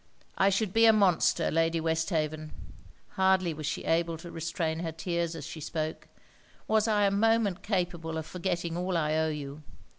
'I should be a monster, Lady Westhaven,' (hardly was she able to restrain her tears as she spoke,) 'was I a moment capable of forgetting all I owe you.